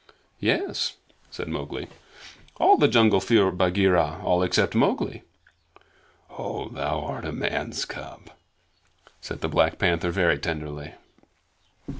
"Yes," said Mowgli, "all the jungle fear Bagheera all except Mowgli." "Oh, thou art a man's cub," said the Black Panther very tenderly.